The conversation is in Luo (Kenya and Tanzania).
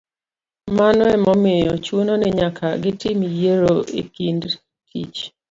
Mano ema omiyo chuno ni nyaka gitim yiero e kind tich